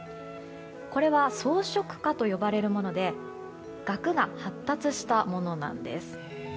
これは、装飾花と呼ばれるものでガクが発達したものなんです。